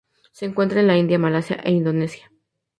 Se encuentra en India Malasia e Indonesia.